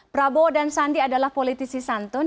prabowo dan sandi adalah politisi santun